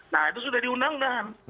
nah itu sudah diundangkan